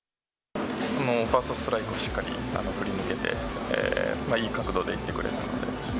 ファーストストライクをしっかり振り抜けて、いい角度でいってくれたので。